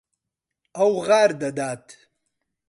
ئەو غار دەدات.